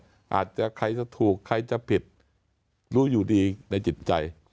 อาจจะใครจะถูกใครจะผิดรู้อยู่ดีในจิตใจ